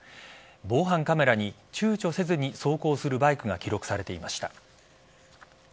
防犯カメラにちゅうちょせずに走行するバイクが記録されていました。